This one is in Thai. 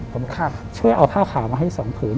ผมช่วยเอาผ้าขาวมาให้๒ผืน